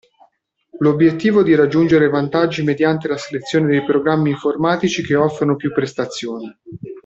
L'obiettivo di raggiungere vantaggi mediante la selezione dei programmi informatici che offrono più prestazioni.